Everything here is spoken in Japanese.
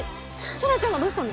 空ちゃんがどうしたの？